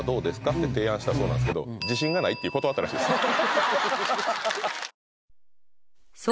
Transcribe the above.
って提案したそうなんですけど「自信がない」って断ったらしいですよ